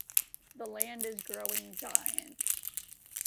The Land Is Growing Giants.